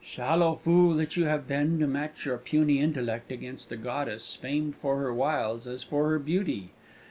Shallow fool that you have been, to match your puny intellect against a goddess famed for her wiles as for her beauty!